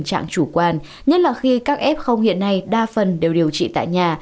tình trạng chủ quan nhất là khi các f hiện nay đa phần đều điều trị tại nhà